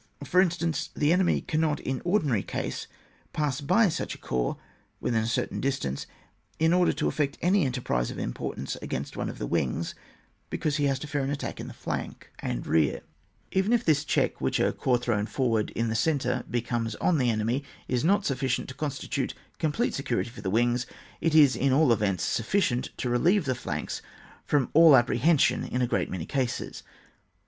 For instance, the enemy cannot in ordinary cases pass by such a corps within a certain distance in order to effect any enterprise of im portance against one of the wings, be cause he has to fear an attack in flank CHAP, vn.] ADVANCED GUARD AND OUT^POSTS. 23 and rear. Even if this check whicli a corps thrown forward in the centre imposes on the enemy is not sufficient to constitute complete security for the wings, it is at all events sufficient to relieve the flanks ^m all apprehension in a great many cases.